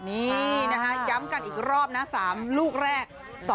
นี่นะคะย้ำกันอีกรอบนะ๓ลูกแรก